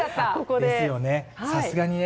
ですよね、さすがにね。